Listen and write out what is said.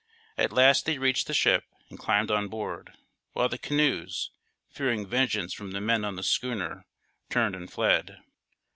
At last they reached the ship and climbed on board, while the canoes fearing vengeance from the men on the schooner turned and fled.